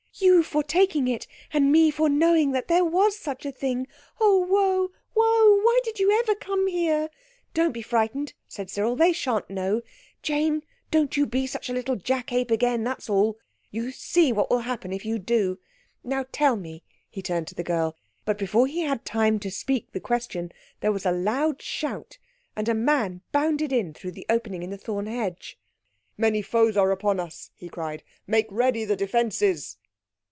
You for taking it, and me for knowing that there was such a thing. Oh, woe—woe! why did you ever come here?" "Don't be frightened," said Cyril. "They shan't know. Jane, don't you be such a little jack ape again—that's all. You see what will happen if you do. Now, tell me—" He turned to the girl, but before he had time to speak the question there was a loud shout, and a man bounded in through the opening in the thorn hedge. "Many foes are upon us!" he cried. "Make ready the defences!"